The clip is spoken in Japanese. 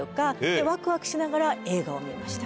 でワクワクしながら映画を見ました。